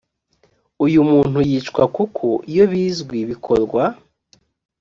uyu muntu yicwa kuko iyo bizwi bikorwa